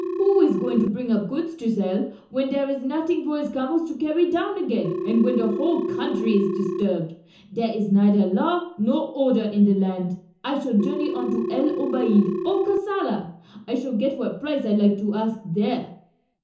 Who is going to bring up goods to sell when there is nothing for his camels to carry down again and when the whole country is disturbed? There is neither law nor order in the land. I shall journey on to El Obeid or Kassala; I shall get what price I like to ask there."